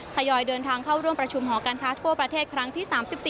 ทยอยเดินทางเข้าร่วมประชุมหอการค้าทั่วประเทศครั้งที่๓๔